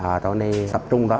họ tạo nên tập trung đó